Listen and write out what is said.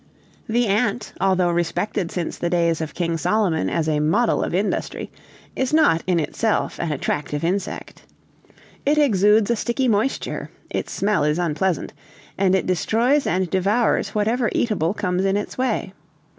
"The ant, although respected since the days of King Solomon as a model of industry, is not in itself an attractive insect. "It exudes a sticky moisture, its smell is unpleasant, and it destroys and devours whatever eatable comes in its way.